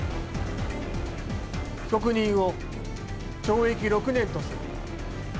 被告人を懲役６年とする。